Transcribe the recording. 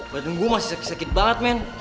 badan gue masih sakit sakit banget men